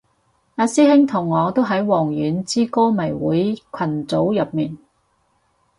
阿師兄同我都喺王菀之歌迷會群組入面